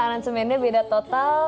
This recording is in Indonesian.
aransemennya beda total